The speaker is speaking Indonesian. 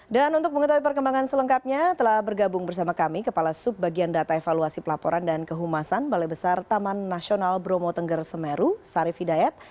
dan untuk mengetahui perkembangan selengkapnya telah bergabung bersama kami kepala subbagian data evaluasi pelaporan dan kehumasan balai besar taman nasional bromo tengger semeru sarif hidayat